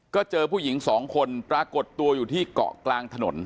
ก็เจอผู้หญิงสองคนปรากฏตัวอยู่ที่เกาะกลางถนน